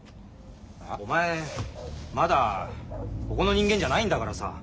お前まだここの人間じゃないんだからさ。